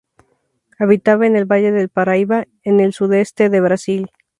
Habitaba en el Valle del Paraíba, en el sudeste de Brasil.